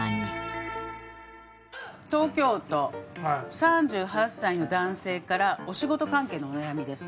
東京都３８歳の男性からお仕事関係のお悩みです。